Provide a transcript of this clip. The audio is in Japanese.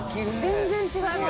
全然違います。